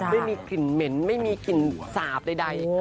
ไม่มีกลิ่นเหม็นไม่มีกลิ่นสาบใด